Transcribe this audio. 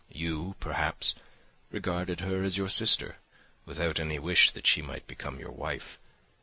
You, perhaps, regard her as your sister, without any wish that she might become your wife.